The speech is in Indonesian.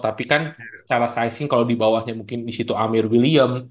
tapi kan secara sizing kalau di bawahnya mungkin di situ amir william